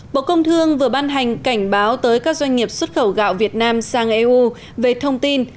bộ công thương vừa ban hành cảnh báo tới các doanh nghiệp xuất khẩu gạo việt nam sang eu về thông tin